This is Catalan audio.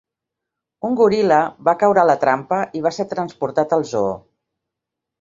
Un goril·la va caure a la trampa i va ser transportat al zoo.